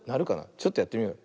ちょっとやってみよう。